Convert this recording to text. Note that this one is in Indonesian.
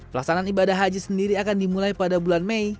pelaksanaan ibadah haji sendiri akan dimulai pada bulan mei